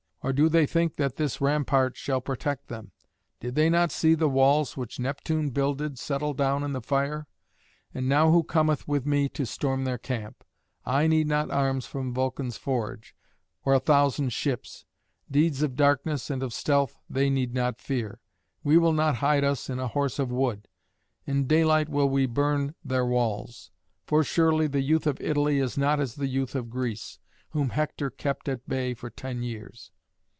Or do they think that this rampart shall protect them? Did they not see the walls which Neptune builded settle down in the fire? And now, who cometh with me to storm their camp? I need not arms from Vulcan's forge, or a thousand ships. Deeds of darkness and of stealth they need not fear. We will not hide us in a Horse of wood. In daylight will we burn their walls. For surely the youth of Italy is not as the youth of Greece, whom Hector kept at bay for ten years."